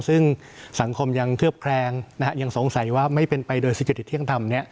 ซึ่งสังคมยังเคลือบแคลงยังสงสัยว่าไม่เป็นไปโดยเศรษฐกิจเที่ยงธรรม